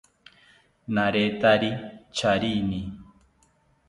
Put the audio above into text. Naretari charini